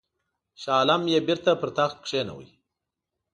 شاه عالم یې بیرته پر تخت کښېناوه.